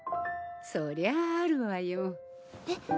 そりゃああるわよえっ？